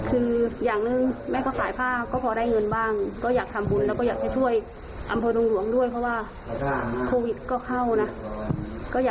เราก็อยากตอบแทนค่ะ